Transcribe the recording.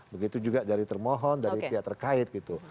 begitu juga dari termohon dari pihak terkait gitu